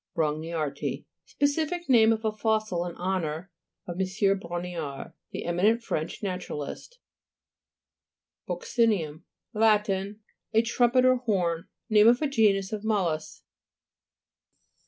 BRONGXIARTII Specific name of a fossil in honour of M. Brongniart, the eminent French naturalist, (p. 60.) BUC'CINUM Lat. A trumpet or horn. Name of a genus of mol lusks.